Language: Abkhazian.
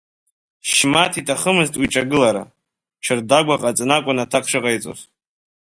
Шьмаҭ иҭахымызт уи иҽилагалара, ҽырдагәа ҟаҵаны акәын аҭак шыҟаиҵоз.